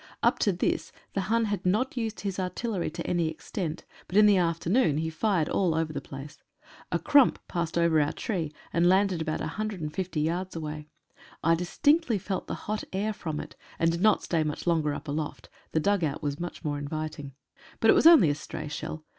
Up to this the Hun had not used his artillery to any extent, but in the afternoon he fired all over the place. A "Krump" passed over our tree, and landed about 150 yards away. I dis tinctly felt the hot air from it, and did not stay much longer up aloft — the dugout was more inviting. But it was only a stray shell.